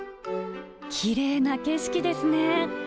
きれいな景色ですね。